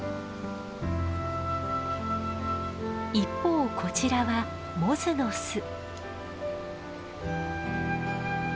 一方こちらはモズの巣。